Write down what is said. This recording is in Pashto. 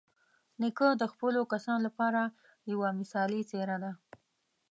نیکه د خپلو کسانو لپاره یوه مثالي څېره ده.